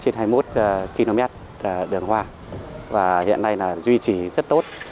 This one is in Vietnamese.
hiện nay chúng tôi đã có một mươi chín trên hai mươi một km đường hoa và hiện nay là duy trì rất tốt